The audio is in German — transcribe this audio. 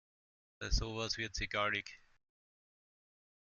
Bei sowas wird sie gallig.